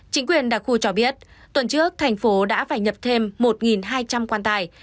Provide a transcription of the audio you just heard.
chính quyền đặc khu cho biết tuần trước thành phố đã phải nhập thêm một hai trăm linh quan tài